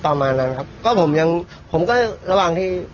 ประมาณนั้นครับก็ผมยังผมก็ระหว่างที่